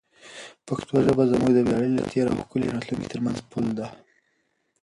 پښتو ژبه زموږ د ویاړلي تېر او ښکلي راتلونکي ترمنځ پل دی.